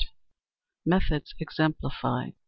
METHODS EXEMPLIFIED.